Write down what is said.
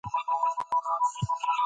آیا تاسو لویه ټولنپوهنه پېژنئ؟